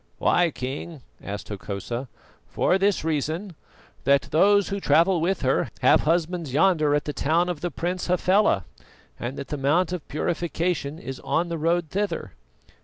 "Why, King?" asked Hokosa. "For this reason that those who travel with her have husbands yonder at the town of the Prince Hafela, and the Mount of Purification is on the road thither.